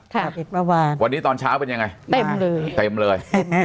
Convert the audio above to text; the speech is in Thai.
ปิดเมื่อวานวันนี้ตอนเช้าเป็นยังไงเต็มเลยเต็มเลย